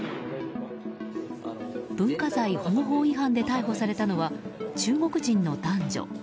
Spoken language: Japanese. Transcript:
文化財保護法違反で逮捕されたのは中国人の男女。